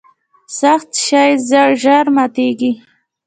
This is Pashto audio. سخت شی ژر ماتیږي.